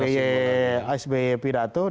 dan dia naik kuda bersama pak prabowo